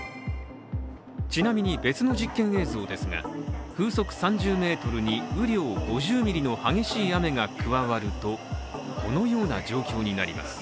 ちなみに別の実験映像ですが、風速３０メートルに雨量５０ミリの激しい雨が加わると、このような状況になります。